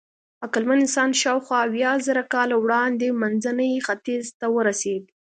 عقلمن انسان شاوخوا اویازره کاله وړاندې منځني ختیځ ته ورسېد.